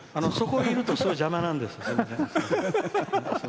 そこにいるとすごい邪魔なんですよ。